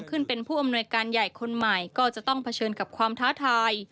ขึ้นเป็นผู้อำนวยการใหญ่คนใหม่ก็จะต้องเผชิญกับความท้าทาย